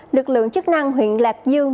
lực lượng chức năng huyện lạc dương